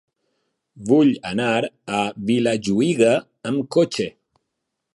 Vull anar a Vilajuïga amb cotxe.